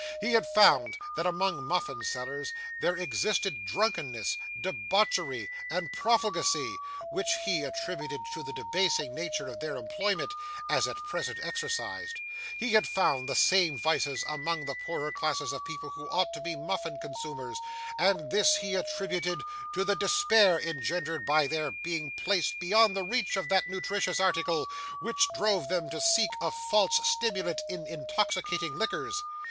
He had found that among muffin sellers there existed drunkenness, debauchery, and profligacy, which he attributed to the debasing nature of their employment as at present exercised; he had found the same vices among the poorer class of people who ought to be muffin consumers; and this he attributed to the despair engendered by their being placed beyond the reach of that nutritious article, which drove them to seek a false stimulant in intoxicating liquors.